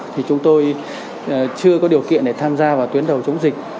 thì chúng tôi chưa có điều kiện để tham gia vào tuyến đầu chống dịch